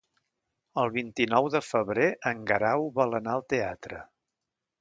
El vint-i-nou de febrer en Guerau vol anar al teatre.